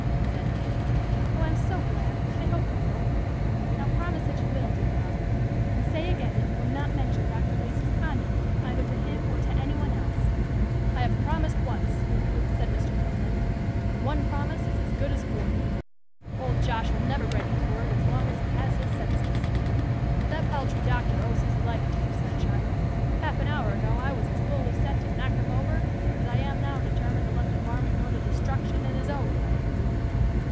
said Fanny. "Oh, I'm so glad. I hope you will. Now promise that you will, dear father, and say again that you will not mention Dr. Lacey's conduct either to him or to any one else." "I have promised once," said Mr. Middleton, "and one promise is as good as forty. Old Josh'll never break his word as long as he has his senses. But that paltry doctor owes his life to you, Sunshine. Half an hour ago I was as fully set to knock him over as I am now determined to let the varmint go to destruction in his own way."